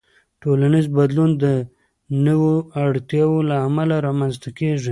ټولنیز بدلون د نوو اړتیاوو له امله رامنځته کېږي.